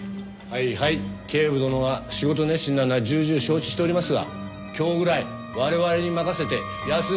はいはい警部殿が仕事熱心なのは重々承知しておりますが今日ぐらい我々に任せて休んでください。